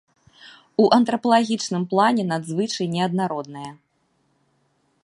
У антрапалагічным плане надзвычай неаднародныя.